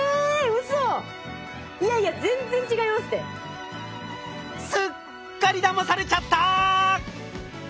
いやいやすっかりだまされちゃった！